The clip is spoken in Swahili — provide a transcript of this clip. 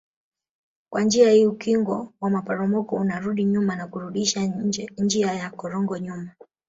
Kwa njia hii ukingo wa maporomoko unarudi nyuma na kurudisha njia ya korongo nyuma